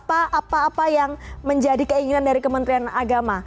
apa apa yang menjadi keinginan dari kementerian agama